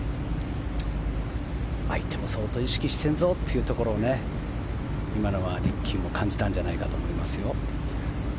相手も相当意識してるぞというところを今のはリッキーも感じたんじゃないかと思います。